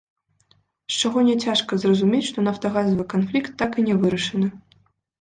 З чаго няцяжка зразумець, што нафтагазавы канфлікт так і не вырашаны.